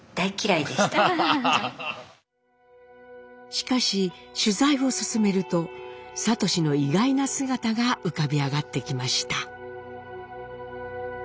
しかし取材を進めると智の意外な姿が浮かび上がってきました。